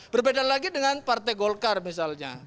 berbeda lagi dengan partai golkar misalnya